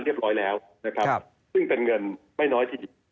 เรียบร้อยแล้วนะครับซึ่งเป็นเงินไม่น้อยที่สุด